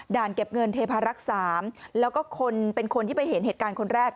เก็บเงินเทพารักษ์๓แล้วก็คนเป็นคนที่ไปเห็นเหตุการณ์คนแรก